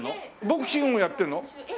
ボクシングもやってるの？